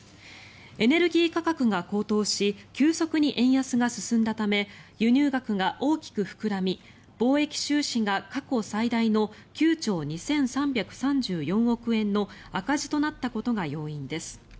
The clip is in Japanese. エネルギー価格が高騰し急速に円安が進んだため輸入額が大きく膨らみ貿易収支が過去最大の９兆２３３４億円の赤字となったことが要因です。